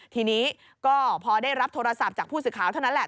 ทีนี้ก็พอได้รับโทรศัพท์จากผู้สื่อข่าวเท่านั้นแหละ